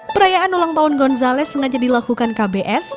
perayaan ulang tahun gonzales sengaja dilakukan kbs